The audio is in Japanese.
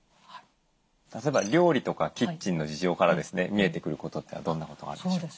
例えば料理とかキッチンの事情から見えてくることってどんなことがあるんでしょう？